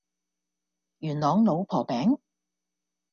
元朗老婆餅